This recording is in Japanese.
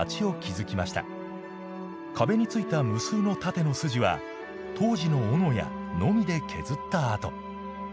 壁に付いた無数の縦の筋は当時のオノやノミで削った跡。